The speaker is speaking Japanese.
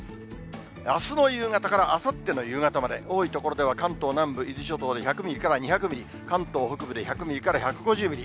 あすの夕方からあさっての夕方まで、多い所では関東南部、伊豆諸島で１００ミリから２００ミリ、関東北部で１００ミリから１５０ミリ。